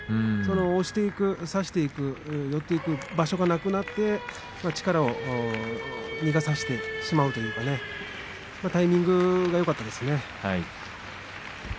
押していく、差していく寄っていく場所がなくなって力を逃げさせてしまうというタイミングがよかったですね。